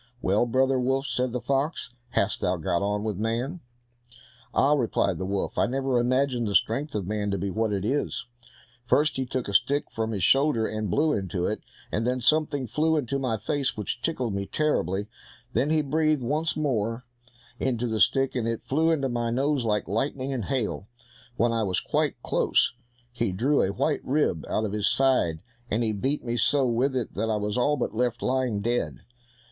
"Well, brother wolf," said the fox, "how hast thou got on with man?" "Ah!" replied the wolf, "I never imagined the strength of man to be what it is! First, he took a stick from his shoulder, and blew into it, and then something flew into my face which tickled me terribly; then he breathed once more into the stick, and it flew into my nose like lightning and hail; when I was quite close, he drew a white rib out of his side, and he beat me so with it that I was all but left lying dead."